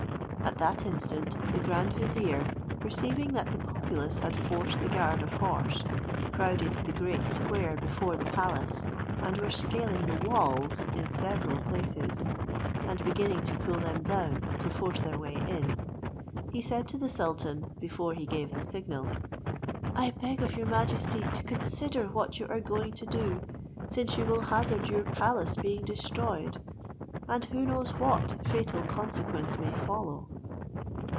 At that instant the grand vizier perceiving that the populace had forced the guard of horse, crowded the great square before the palace, and were scaling the walls in several places, and beginning to pull them down to force their way in; he said to the sultan, before he gave the signal, "I beg of your majesty to consider what you are going to do, since you will hazard your palace being destroyed; and who knows what fatal consequence may follow?"